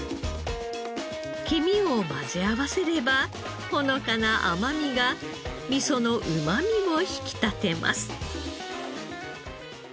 黄身を混ぜ合わせればほのかな甘みが味噌のうまみを引き立てます。